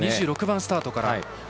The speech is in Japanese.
２６番スタートから。